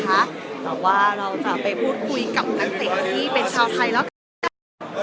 แต่ว่าเราจะไปพูดคุยกับนักเตะที่เป็นชาวไทยแล้วกัน